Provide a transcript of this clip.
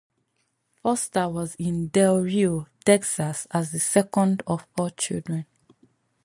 Foster was in Del Rio, Texas, as the second of four children.